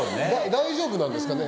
大丈夫なんですかね？